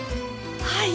はい。